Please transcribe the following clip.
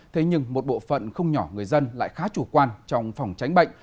thế nhưng một bộ phận không nhỏ người dân lại khá chủ quan trong phòng tránh bệnh